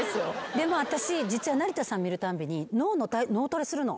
でも私実は成田さん見るたんびに脳トレするの。